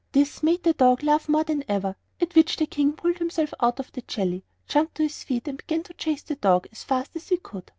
This made the dog laugh more than ever, at which the King pulled himself out of the jelly, jumped to his feet, and began to chase the dog as fast as he could.